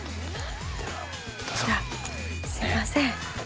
じゃあすいません。